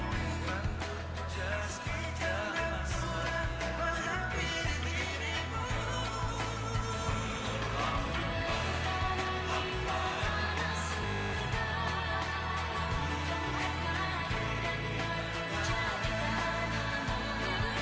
biarpun saya pergi jauh tidakkan hilang dari kamu